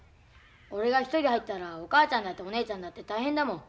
俺が一人入ったらお母ちゃんだってお姉ちゃんだって大変だもん。